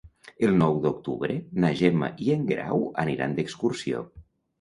El nou d'octubre na Gemma i en Guerau aniran d'excursió.